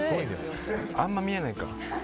あんまり見えないか。